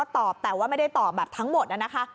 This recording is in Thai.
ตอบแต่ว่าไม่ได้ตอบแบบทั้งหมดนะคะ